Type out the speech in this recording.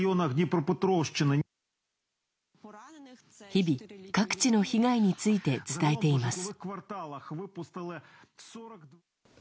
日々、各地の被害について伝えています。